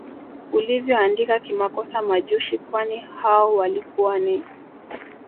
ulivyoandika kimakosa Majushi kwani hao walikuwa ni